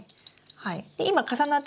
はい。